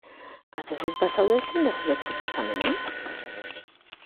Ados ez bazaude, zein da zure proposamena?